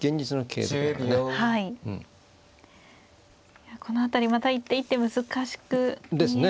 いやこの辺りまた一手一手難しく見えますね。